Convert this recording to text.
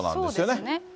そうですね。